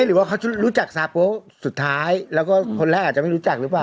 หรือว่าเขารู้จักซาโป๊ะสุดท้ายแล้วก็คนแรกอาจจะไม่รู้จักหรือเปล่า